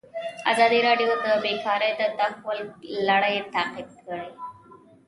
ازادي راډیو د بیکاري د تحول لړۍ تعقیب کړې.